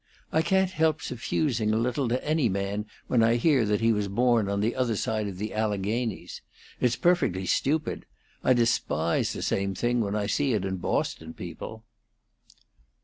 I can't help suffusing a little to any man when I hear that he was born on the other side of the Alleghanies. It's perfectly stupid. I despise the same thing when I see it in Boston people."